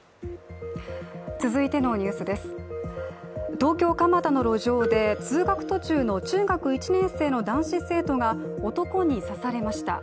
東京・蒲田の路上で通学途中の中学１年生の男子生徒が男に刺されました。